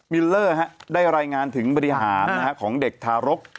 ลเลอร์ได้รายงานถึงบริหารของเด็กทารก